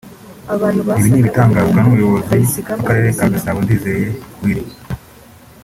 Ibi ni ibitangazwa n’Umuyobozi w’Akarere ka Gasabo Ndizeye Willy